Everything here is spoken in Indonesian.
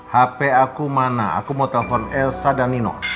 hp aku mana aku mau telepon elsa dan nino